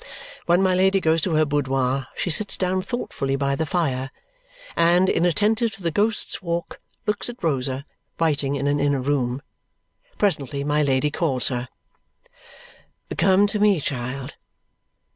When my Lady goes to her boudoir, she sits down thoughtfully by the fire, and inattentive to the Ghost's Walk, looks at Rosa, writing in an inner room. Presently my Lady calls her. "Come to me, child.